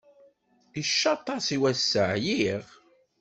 Icaṭ-as i wassa, ɛyiɣ.